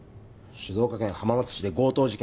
静岡県浜松市で強盗事件